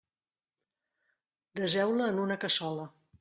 Deseu-la en una cassola.